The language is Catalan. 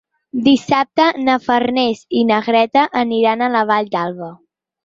Dissabte na Farners i na Greta aniran a la Vall d'Alba.